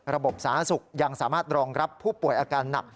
สาธารณสุขยังสามารถรองรับผู้ป่วยอาการหนัก